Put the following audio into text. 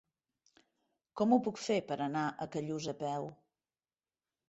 Com ho puc fer per anar a Callús a peu?